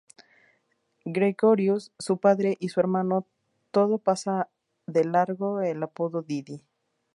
Gregorius, su padre, y su hermano todo pasa de largo el apodo "Didi.